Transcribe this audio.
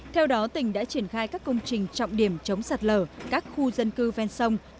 theo đó tỉnh đã triển khai các công trình trọng điểm chống sạt lở các khu dân cư ven sông